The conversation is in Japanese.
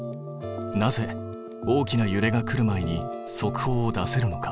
なぜ大きなゆれが来る前に速報を出せるのか？